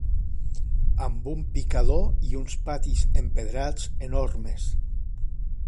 Amb un picador i uns patis empedrats enormes